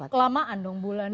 kelamaan dong bulan